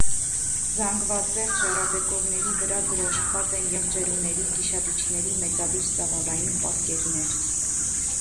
Զանգվածեղ ժայռաբեկորների վրա դրոշմված են եղջերուների, գիշատիչների մեծադիր ծավալային պատկերներ։